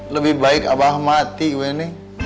lebih baik abah mati gue neng